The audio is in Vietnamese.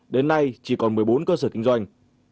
đến nay chỉ còn một mươi bốn cơ sở kinh doanh